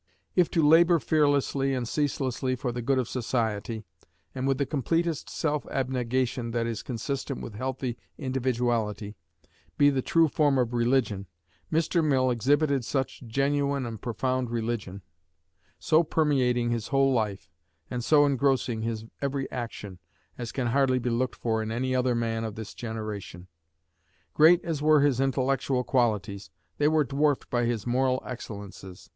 If to labor fearlessly and ceaselessly for the good of society, and with the completest self abnegation that is consistent with healthy individuality, be the true form of religion, Mr. Mill exhibited such genuine and profound religion so permeating his whole life, and so engrossing his every action as can hardly be looked for in any other man of this generation. Great as were his intellectual qualities, they were dwarfed by his moral excellences.